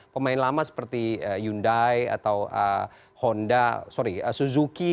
pemain lama seperti hyundai atau honda sorry suzuki